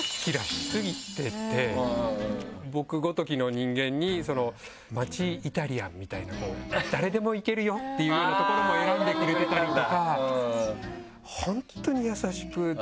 僕ごときの人間に街イタリアンみたいな誰でも行けるよっていうような所も選んでくれてたりとか。